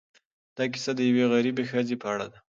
دا کيسه د یوې غریبې ښځې په اړه ده.